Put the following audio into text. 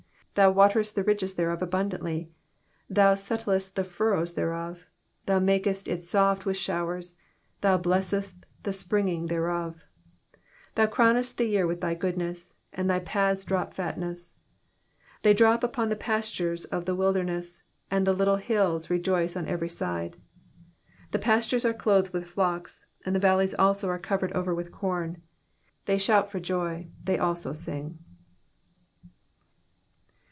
10 Thou waterest the ridges thereof abundantly : thou settlest the furrows thereof : thou makest it soft with showers : thou blessest the springing thereof. 1 1 Thou crownest the year with thy goodness ; and thy paths drop fatness. 12 They drop upon the pastures of the wilderness : and the little hills rejoice on every side. 13 The pastures are clothed with flocks ; the valleys also are covered with corn ; they shout for joy, they also sing.